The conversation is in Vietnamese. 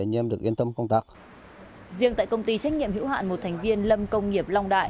anh em được yên tâm công tác riêng tại công ty trách nhiệm hữu hạn một thành viên lâm công nghiệp